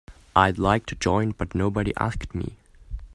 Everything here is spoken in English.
I'd like to join but nobody asked me.